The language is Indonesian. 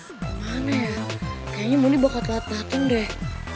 oh gimana ya kayaknya mondi bakal kelat latung deh